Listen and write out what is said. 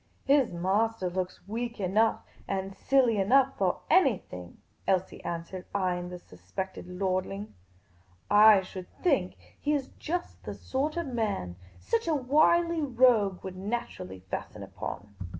" His m3* ;ter looks weak enough and silly enough for any thing," Elsie answered, eying the suspected lordling. " I should think he is just the sort of man such a wily rogue would naturally fasten upon."